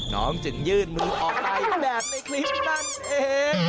น้องจึงยื่นมือออกไปแบบในคลิปนั่นเอง